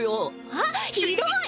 あっひどい！